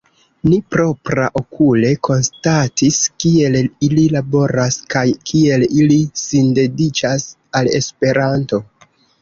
Ni propraokule konstatis kiel ili laboras kaj kiel ili sindediĉas al Esperanto.